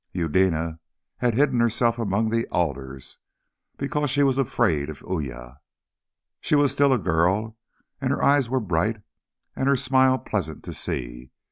Eudena had hidden herself among the alders, because she was afraid of Uya. She was still a girl, and her eyes were bright and her smile pleasant to see.